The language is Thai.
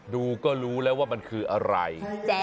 ดูก็รู้แล้วว่ามันคืออะไร